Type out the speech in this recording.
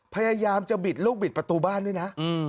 พยายามจะบิดลูกบิดประตูบ้านด้วยนะ